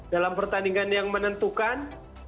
dalam pertandingan yang menentukan